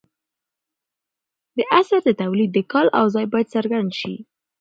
د اثر د تولید کال او ځای باید څرګند شي.